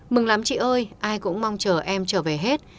mừng lắm chị ơi ai cũng mong chờ em trở về hết